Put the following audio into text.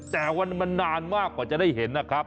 แต่ว่ามันนานมากกว่าจะได้เห็นนะครับ